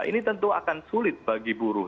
ini tentu akan sulit bagi buruh